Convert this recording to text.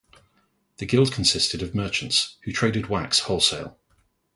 The guild consisted of merchants, who traded wax wholesale.